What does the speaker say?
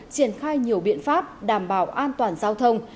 triển khai nhiều biện pháp đảm bảo an toàn giao thông